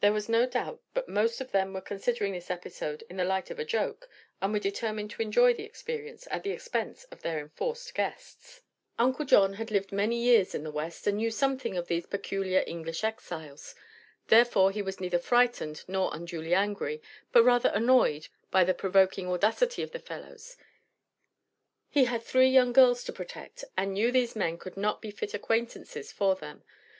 There was no doubt but most of them were considering this episode in the light of a joke, and were determined to enjoy the experience at the expense of their enforced guests. Uncle John had lived many years in the West and knew something of these peculiar English exiles. Therefore he was neither frightened nor unduly angry, but rather annoyed by the provoking audacity of the fellows. He had three young girls to protect and knew these men could not be fit acquaintances for them.